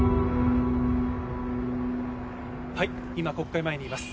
はい今国会前にいます